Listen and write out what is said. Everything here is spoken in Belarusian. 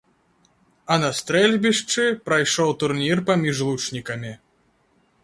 А на стрэльбішчы прайшоў турнір паміж лучнікамі.